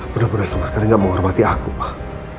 bener bener sama sekali gak menghormati aku pak